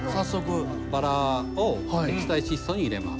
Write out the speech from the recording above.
バラを液体窒素に入れます。